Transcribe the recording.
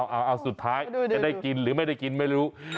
เอาสุดท้ายจะได้กินหรือไม่ได้กินไม่รู้